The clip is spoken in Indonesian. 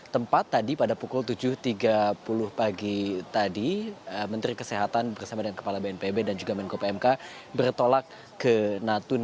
tempat tadi pada pukul tujuh tiga puluh pagi tadi menteri kesehatan bersama dengan kepala bnpb dan juga menko pmk bertolak ke natuna